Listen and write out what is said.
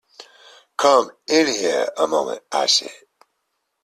“Come in here a moment,” I said.